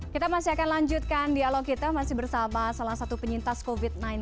kita masih akan lanjutkan dialog kita masih bersama salah satu penyintas covid sembilan belas